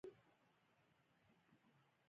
اورګاډي پخپله مخه ولاړ، زه یوازې پاتې شوم.